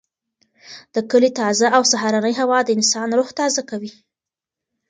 د کلي تازه او سهارنۍ هوا د انسان روح تازه کوي.